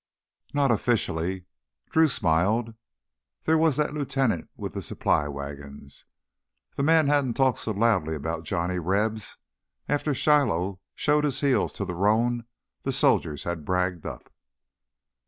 "Not officially." Drew smiled. There was that lieutenant with the supply wagons. The man hadn't talked so loudly about Johnny Rebs after Shiloh showed his heels to the roan the soldiers had bragged up.